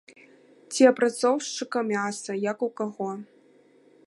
Ці апрацоўшчыка мяса, як у каго.